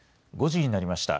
５時になりました。